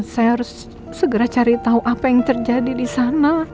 saya harus segera cari tahu apa yang terjadi di sana